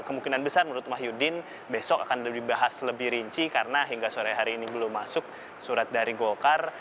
kemungkinan besar menurut mahyudin besok akan dibahas lebih rinci karena hingga sore hari ini belum masuk surat dari golkar